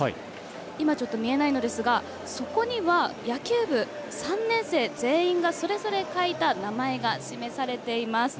今、見えないのですがそこには野球部３年生全員がそれぞれ書いた名前が示されています。